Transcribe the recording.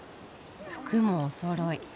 服もおそろい。